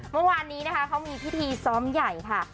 เมื่อวานนี้นะคะเขามีพิธีซ้อมใหญ่ค่ะ